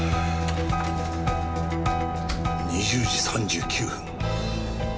２０時３９分。